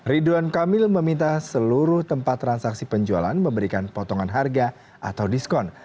ridwan kamil meminta seluruh tempat transaksi penjualan memberikan potongan harga atau diskon